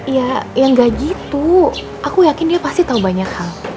ya yang gak gitu aku yakin dia pasti tahu banyak hal